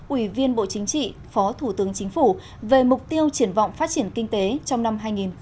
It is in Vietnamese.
ủy viên bộ chính trị phó thủ tướng chính phủ về mục tiêu triển vọng phát triển kinh tế trong năm hai nghìn hai mươi